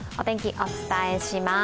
お伝えします。